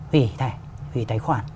hủy thẻ hủy tài khoản